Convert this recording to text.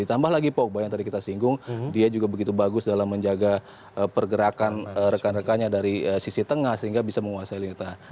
ditambah lagi pogba yang tadi kita singgung dia juga begitu bagus dalam menjaga pergerakan rekan rekannya dari sisi tengah sehingga bisa menguasai lini tengah